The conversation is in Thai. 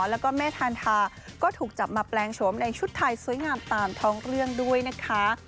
แล้วก็แม่ทานทาก็ถูกจับมาแปลงโฉมในชุดไทยสวยงามตามท้องเรื่องด้วยนะคะ